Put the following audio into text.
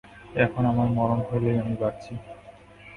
এখন আমার মরণ হইলেই আমি বাঁচি।